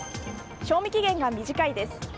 賞味期限が短いです。